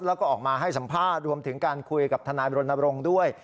แล้วก็ออกมาให้สัมภาษณ์รวมถึงการคุยกับทนายบรณบรงค์ด้วย